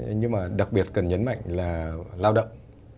nhưng mà đặc biệt cần nhấn mạnh là lao động